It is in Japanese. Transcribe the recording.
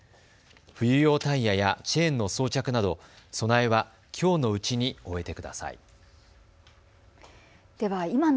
冬用タイヤやチェーンの装着など備えは、きょうのうちに終えてください。